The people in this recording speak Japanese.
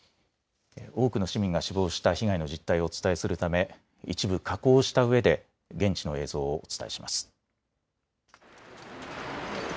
多くの市民が死亡した被害の実態をお伝えするため一部、加工したうえで現地の映像をお伝えします。